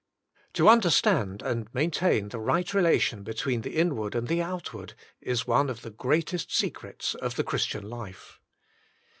To understand and maintain the right relation between the inward and the outward is one of the greatest secrets of the Christian life.